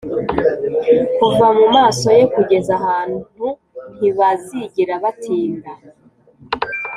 kuva mumaso ye kugeza ahantu ntibazigera batinda.